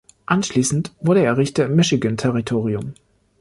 Anschließend wurde er Richter im Michigan-Territorium.